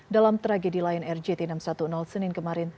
dalam tragedi lain rjt enam ratus sepuluh senin kemarin